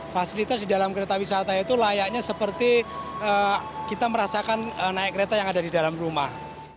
fasilitas di dalam kereta wisata itu layaknya seperti kita merasakan naik kereta yang ada di dalam rumah